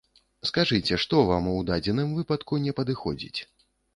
Скажыце, што вам у дадзеным выпадку не падыходзіць?